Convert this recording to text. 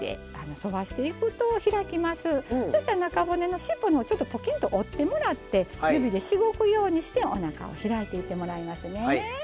そしたら中骨の尻尾のほうちょっとポキンと折ってもらって指でしごくようにしておなかを開いていってもらいますね。